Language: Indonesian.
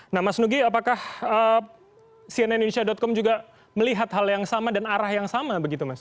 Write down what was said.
nah mas nugi apakah cnnindonesia com juga melihat hal yang sama dan arah yang sama